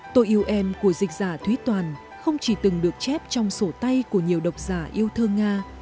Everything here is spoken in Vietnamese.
tôi yêu em của dịch giả thúy toàn không chỉ từng được chép trong sổ tay của nhiều độc giả yêu thơ nga